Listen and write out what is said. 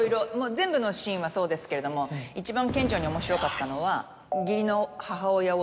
全部のシーンはそうですけれども一番顕著に面白かったのは。